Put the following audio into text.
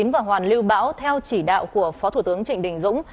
và hoàn lưu bão theo chỉ đạo của phó thủ tướng trịnh đình dũng